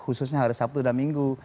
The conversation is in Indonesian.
khususnya hari sabtu dan minggu